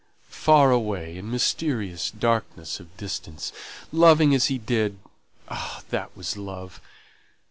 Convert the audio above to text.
far away in mysterious darkness of distance loving as he did (ah, that was love!